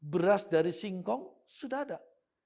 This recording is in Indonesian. beras dari singkong sudah ada